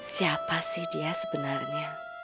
siapa sih dia sebenarnya